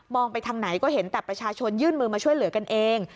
ไปทางไหนก็เห็นแต่ประชาชนยื่นมือมาช่วยเหลือกันเอง